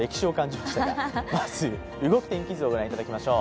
まず、動く天気図をご覧いただきましょう。